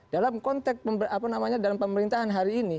dalam konteks pemerintahan hari ini